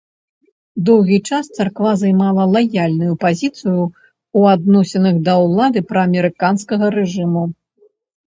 Доўгі час царква займала лаяльную пазіцыю ў адносінах да ўлады праамерыканскага рэжыму.